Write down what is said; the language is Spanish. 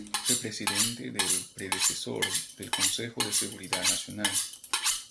Fue presidente de el predecesor del Consejo de Seguridad Nacional.